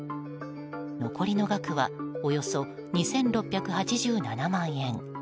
残りの額はおよそ２６８７万円。